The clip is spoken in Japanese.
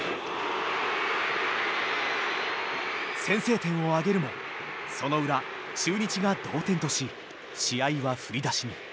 先制点を挙げるもその裏中日が同点とし試合は振り出しに。